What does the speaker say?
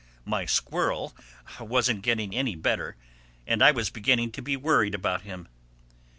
My squirrel wasn't getting any better and I was beginning to be worried about him.